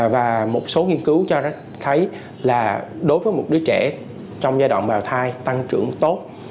và một số nghiên cứu cho thấy là đối với một đứa trẻ trong giai đoạn bào thai tăng trưởng tốt